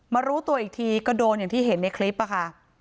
รู้ตัวอีกทีก็โดนอย่างที่เห็นในคลิปอะค่ะ